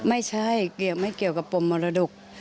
ไม่ใช่ไม่เกี่ยวกับปมมรดก